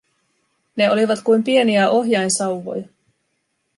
Ne olivat kuin pieniä ohjainsauvoja.